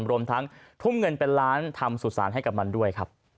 รวมทั้งทุ่มเงินเป็นล้านทำสุสานให้กับมันด้วยครับ